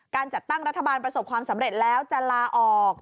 จัดตั้งรัฐบาลประสบความสำเร็จแล้วจะลาออก